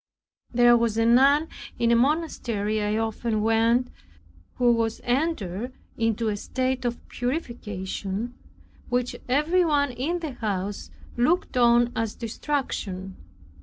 There was a nun in a monastery I often went to, who was entered into a state of purification, which everyone in the house looked on as distraction.